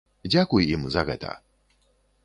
Дзякуй ім за гэта!